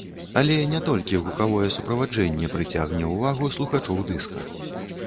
Але не толькі гукавое суправаджэнне прыцягне ўвагу слухачоў дыска.